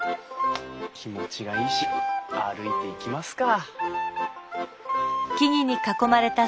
気持ちがいいし歩いていきますか。